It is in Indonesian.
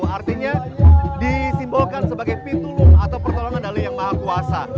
artinya disimbolkan sebagai pitulung atau pertolongan dari yang maha kuasa